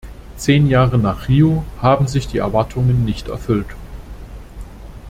Zehn Jahre nach Rio haben sich die Erwartungen nicht erfüllt.